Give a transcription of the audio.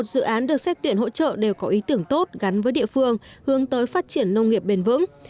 một mươi dự án được xét tuyển hỗ trợ đều có ý tưởng tốt gắn với địa phương hướng tới phát triển nông nghiệp bền vững